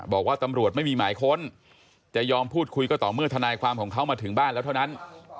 บอกว่าตำรวจไม่มีหมายค้นจะยอมพูดคุยก็ต่อเมื่อทนายความของเขามาถึงบ้านแล้วเท่านั้น